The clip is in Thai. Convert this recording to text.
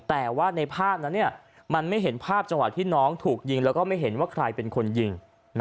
แต่ว่าในภาพนั้นมันไม่เห็นภาพจังหวะที่น้องถูกยิงแล้วก็ไม่เห็นว่าใครเป็นคนยิง